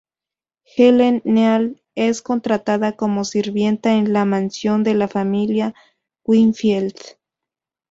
Ellen Neal es contratada como sirvienta en la mansión de la familia Winfield.